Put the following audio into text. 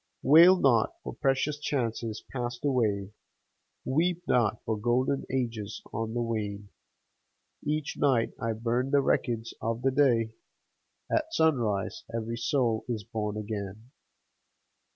[ 27 ] Selected Poems Wail not for precious chances passed away, Weep not for golden ages on the wane ! Each night I burn the records of the day, — At sunrise every soul is born again